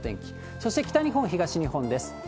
そして北日本、東日本です。